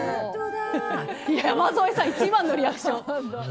山添さん、一番のリアクション。